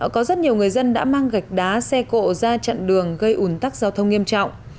có rất nhiều người dân đã mang gạch đá xe cộ ra chặn đường gây ủn tắc giao thông nghiêm trọng